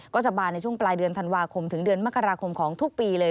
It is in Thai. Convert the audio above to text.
บานในช่วงปลายเดือนธันวาคมถึงเดือนมกราคมของทุกปีเลย